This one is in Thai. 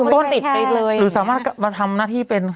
ก็ติดไปเลยหรือสามารถมาทำหน้าที่เป็น